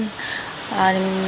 khi mà xuất khẩu